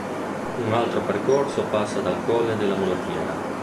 Un altro percorso passa dal Colle della Mulattiera.